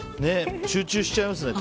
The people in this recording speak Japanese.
集中しちゃいますね。